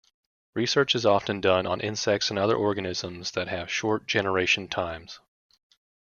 Research is often done on insects and other organisms that have short generation times.